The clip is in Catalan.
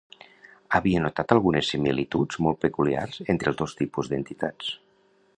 Havia notat algunes similituds molt peculiars entre els dos tipus d'entitats.